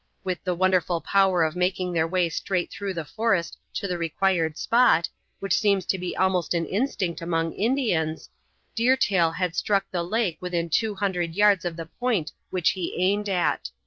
With the wonderful power of making their way straight through the forest to the required spot, which seems to be almost an instinct among Indians, Deer Tail had struck the lake within two hundred yards of the point which he aimed at.